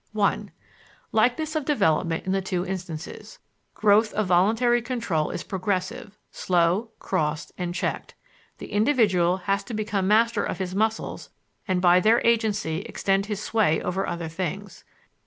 1. Likeness of development in the two instances. Growth of voluntary control is progressive, slow, crossed and checked. The individual has to become master of his muscles and by their agency extend his sway over other things.